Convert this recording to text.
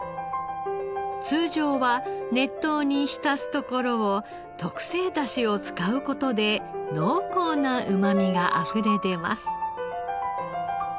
通常は熱湯に浸すところを特製出汁を使う事で濃厚なうまみがあふれ出ます。